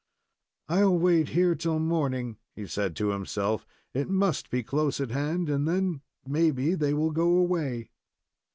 "I'll wait here till morning," he said to himself. "It must be close at hand; and then, maybe, they will go away."